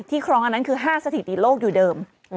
ครองอันนั้นคือ๕สถิติโลกอยู่เดิม